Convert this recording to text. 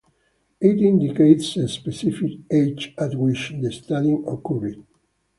It indicates a specific age at which the studying occurred.